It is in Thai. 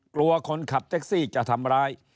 กลัวคนขับแท็กซี่จะทำร้าย